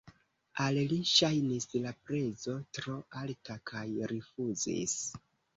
Al li ŝajnis la prezo tro alta kaj rifuzis.